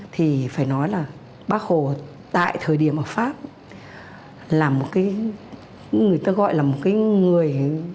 thì phải nói là bác hồ tại thời điểm ở pháp là một cái người ta gọi là một cái người